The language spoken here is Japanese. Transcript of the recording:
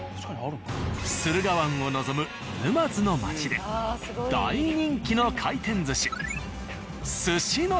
駿河湾を臨む沼津の町で大人気の回転寿司。